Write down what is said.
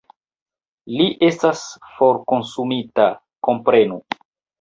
Li estas forkonsumita, komprenu!